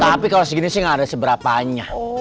tapi kalo segini sih gak ada seberapanya